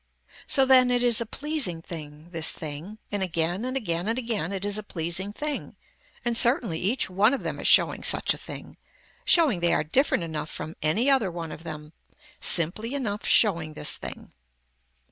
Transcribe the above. So then it is a pleasing thing, this thing, and again and again and again it is a pleasing thing, and certainly each one of them is showing such a thing, showing they are different enough from any other one of them, simply enough showing this thing.